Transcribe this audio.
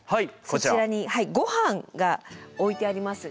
そちらにごはんが置いてあります。